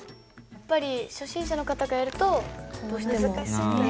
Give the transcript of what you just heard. やっぱり初心者の方がやるとどうしても難しいんだ。